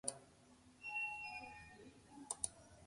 Je že v redu.